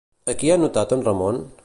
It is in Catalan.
A qui ha notat en Ramon?